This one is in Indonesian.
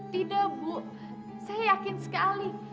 tidak bu saya yakin sekali